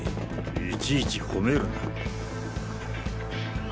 いちいちほめるな。